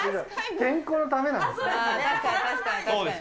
健康のためなんです。